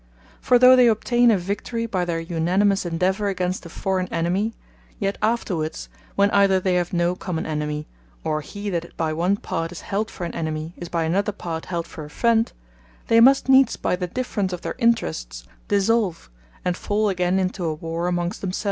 For though they obtain a Victory by their unanimous endeavour against a forraign enemy; yet afterwards, when either they have no common enemy, or he that by one part is held for an enemy, is by another part held for a friend, they must needs by the difference of their interests dissolve, and fall again into a Warre amongst themselves.